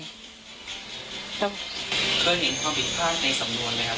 แล้วเคยเห็นความผิดพลาดในสำนวนไหมครับ